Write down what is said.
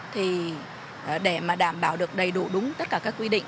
thì để mà đảm bảo được đầy đủ đúng tất cả các quy định